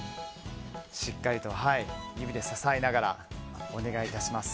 しっかりと指で支えながらお願いします。